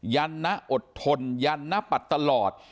ยันด์นอดทนยันด์นปัดตลอด